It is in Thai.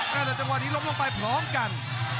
แต่จังหวะนี้ล้มลงไปพร้อมกัน